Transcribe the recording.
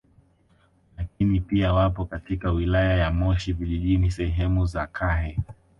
Lakini pia wapo katika wilaya ya Moshi Vijijini sehemu za Kahe